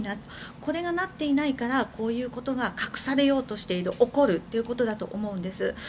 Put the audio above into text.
これがなっていないからこういうことが隠されようとしている起こるということだと思うんです。